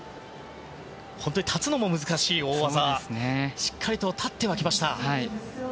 本当に立つのも難しい大技ですがしっかりと立ってはきました。